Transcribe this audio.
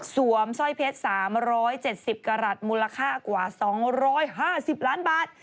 สร้อยเพชร๓๗๐กรัฐมูลค่ากว่า๒๕๐ล้านบาท